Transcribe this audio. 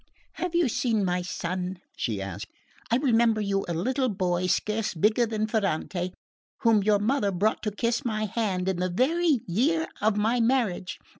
"Have you seen my son?" she asked. "I remember you a little boy scarce bigger than Ferrante, whom your mother brought to kiss my hand in the very year of my marriage.